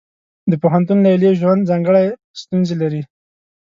د پوهنتون لیلیې ژوند ځانګړې ستونزې لري.